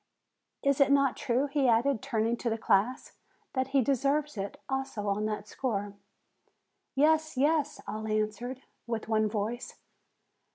Is it not true," he added, turning to the class, "that he deserves it also on that score?" "Yes, yes !" all answered, with one voice.